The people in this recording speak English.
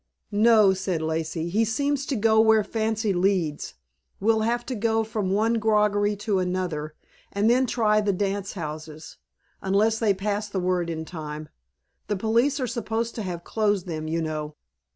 "No," said Lacey. "He seems to go where fancy leads. We'll have to go from one groggery to another, and then try the dance houses, unless they pass the word in time. The police are supposed to have closed them, you know."